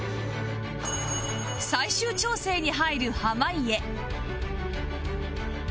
最終調整に入る濱家